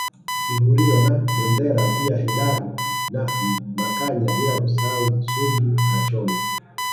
Kihurio na Bendera pia Hedaru na Makanya bila kusahau Suji na Chome